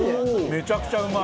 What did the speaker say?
めちゃくちゃうまい！